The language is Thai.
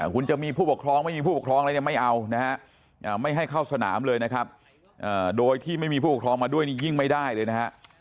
คุณจะมีผู้ปกครองไม่มีผู้ปกครองอะไรเนี่ยไม่เอานะฮะไม่ให้เข้าสนามเลยนะครับโดยที่ไม่มีผู้ปกครองมาด้วยนี่ยิ่งไม่ได้เลยนะฮะ